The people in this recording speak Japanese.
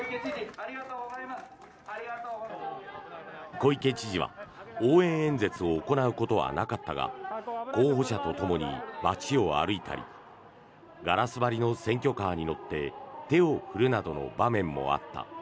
小池知事は応援演説を行うことはなかったが候補者とともに街を歩いたりガラス張りの選挙カーに乗って手を振るなどの場面もあった。